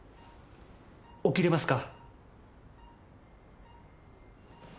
起きれますか？